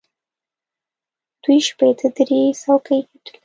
دوی شپېته درې څوکۍ ګټلې.